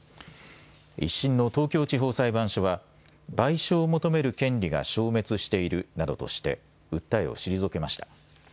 １審の東京地方裁判所は賠償を求める権利が消滅しているなどとして訴えを退けました。